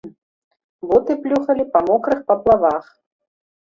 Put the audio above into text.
Боты плюхалі па мокрых паплавах.